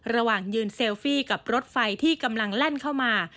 ระหว่างยืนเซลฟี่กับรถไฟที่กำลังแล่นเข้ามา